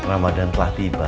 ramadan telah tiba